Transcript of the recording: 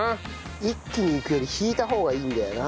一気にいくより引いた方がいいんだよな。